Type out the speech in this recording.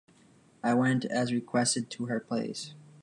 I went as requested to her place.